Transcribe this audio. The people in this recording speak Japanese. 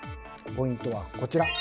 ポイントはこちら。